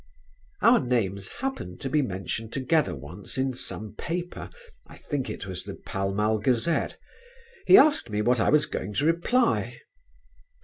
Our names happened to be mentioned together once in some paper, I think it was The Pall Mall Gazette. He asked me what I was going to reply.